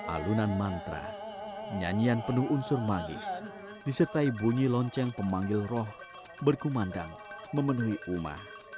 alunan mantra nyanyian penuh unsur magis disertai bunyi lonceng pemanggil roh berkumandang memenuhi uma